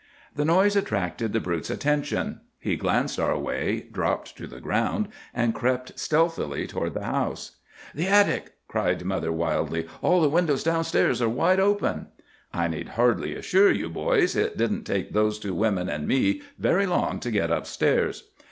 "The noise attracted the brute's attention. He glanced our way, dropped to the ground, and crept stealthily toward the house. "'The attic!' cried mother wildly. 'All the windows down stairs are wide open.' "I need hardly assure you, boys, it didn't take those two women and me very long to get up stairs.